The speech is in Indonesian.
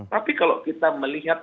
tapi kalau kita melihat